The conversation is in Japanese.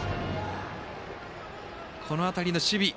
この辺りの守備。